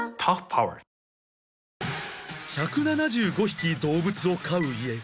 １７５匹動物を飼う家